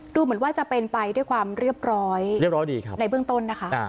ดูเหมือนว่าจะเป็นไปด้วยความเรียบร้อยเรียบร้อยดีครับในเบื้องต้นนะคะ